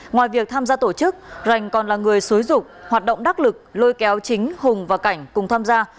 ngoài việc tham gia tổ chức rành còn là người xuối dục hoạt động đắc lực lôi kéo chính hùng và cảnh cùng tham gia